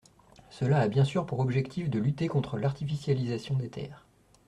Cela a bien sûr pour objectif de lutter contre l’artificialisation des terres.